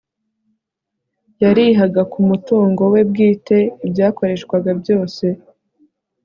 yarihaga ku mutungo we bwite ibyakoreshwaga byose